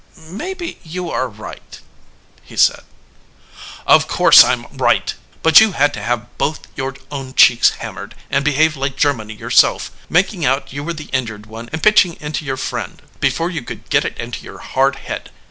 "Maybe you are right," he said. "Of course I m right! But you had to have both your own cheeks hammered, and behave like Germany yourself^ making out you were the in jured one and pitching into your friend, before you could get it into your hard head.